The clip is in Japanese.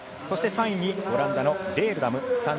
３位にオランダのレールダム。